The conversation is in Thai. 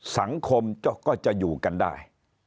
สังคมก็จะอยู่กันได้